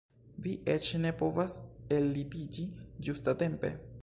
Vi eĉ ne povas ellitiĝi gustatempe?